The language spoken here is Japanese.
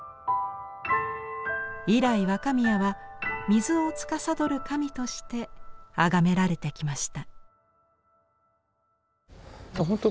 以来若宮は水をつかさどる神としてあがめられてきました。